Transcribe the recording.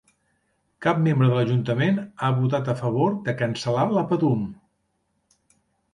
Cap membre de l'Ajuntament ha votat a favor de cancel·lar la Patum.